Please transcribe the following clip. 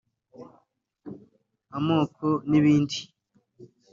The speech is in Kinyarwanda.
amoko n’ibindi